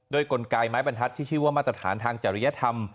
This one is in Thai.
โดยกลไกไม้บรรทัศน์ที่ชื่อว่ามาตรฐานทางจริยธรรม